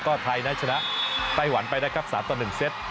ก็ไทยนั้นชนะไต้หวันไปนะครับ๓ต่อ๑เซต